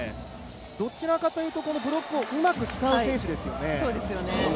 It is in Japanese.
どちらかというと、ブロックをうまく使う選手ですよね。